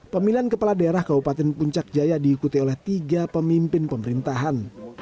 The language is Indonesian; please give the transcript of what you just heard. pemilihan kepala daerah kabupaten puncak jaya diikuti oleh tiga pemimpin pemerintahan